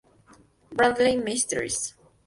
Bradley Mysteries".